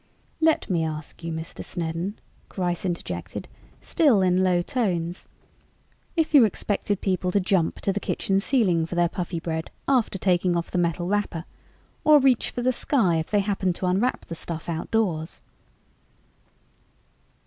"Let me ask you, Mr. Snedden," Gryce interjected, still in low tones, "if you expected people to jump to the kitchen ceiling for their Puffybread after taking off the metal wrapper, or reach for the sky if they happened to unwrap the stuff outdoors?"